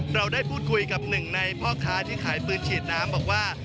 เราได้พูดคุยกับหนึ่งในพ่อค้าที่ขายปืนฉีดน้ำบอกว่า